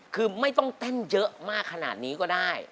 คือไม่ต้องเต้นเยอะมากขนาดนี้ก็ได้